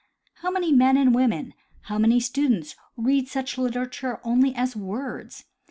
How many men and women, how many students, read such literature only as words.